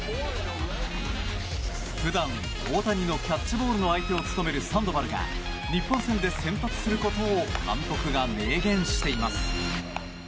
普段、大谷のキャッチボールの相手を務めるサンドバルが日本戦で先発することを監督が明言しています。